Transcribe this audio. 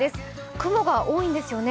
雲が多いんですよね。